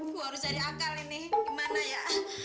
gua harus cari akal ini gimana ya